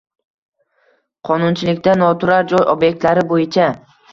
Qonunchilikda noturar joy ob’ektlari bo‘yicha